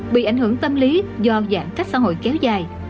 bị ảnh hưởng tâm lý do giãn cách xã hội kéo dài